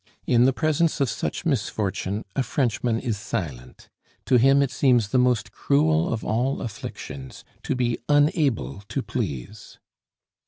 In the presence of such misfortune a Frenchman is silent; to him it seems the most cruel of all afflictions to be unable to please!